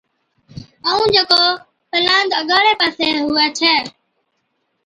ائُون جڪو پَلاند اَگاڙي پاسي ھُوي ڇَي